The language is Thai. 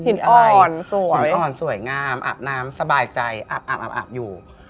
หินอ่อนสวยงามอาบน้ำสบายใจอาบอยู่